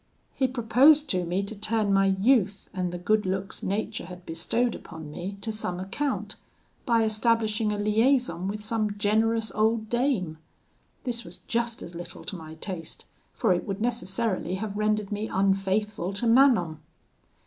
"He proposed to me to turn my youth and the good looks nature had bestowed upon me to some account, by establishing a liaison with some generous old dame. This was just as little to my taste, for it would necessarily have rendered me unfaithful to Manon.